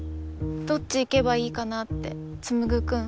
どっち行けばいいかなってつむぐくん。